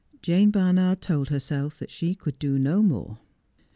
Jane Barnard told herself that she could do no more.